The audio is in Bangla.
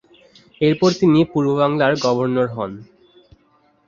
এরপর তিনি পূর্ব বাংলার গভর্নর হন।